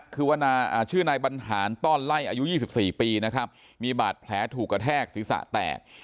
คือชื่อนายบรรหารต้อนไล่อายุ๒๔ปีนะครับมีบาดแผลถูกกระแทกศีรษะแตก